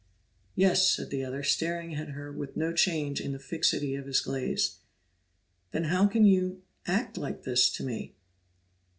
"Yes," said the other, staring at her with no change in the fixity of his gaze. "Then how can you act like this to me?"